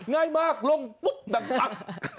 ง่ายมากลงปุ๊บดังชัด